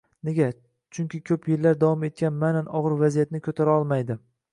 Nega? Chunki ko‘p yillab davom etgan ma’nan og‘ir vaziyatni ko'tarolmaydi